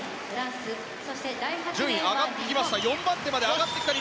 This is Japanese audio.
順位上がってきまして４番手。